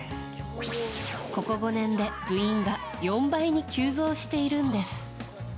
ここ５年で部員が４倍に急増しているんです。